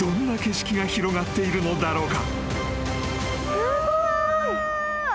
すごい。